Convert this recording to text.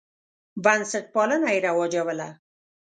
بنسټپالنه یې رواجوله.